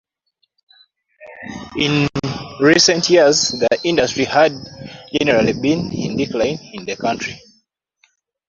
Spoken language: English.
In recent years the industry had generally been in decline in the country.